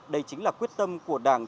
đây chính là quyết tâm của đảng